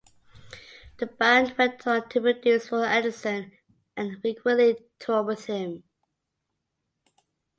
The band went on to produce for Anderson and frequently tour with him.